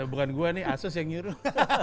bukan gue nih asus yang nyuruh